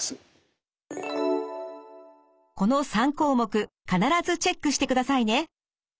この３項目必ずチェックしてくださいね。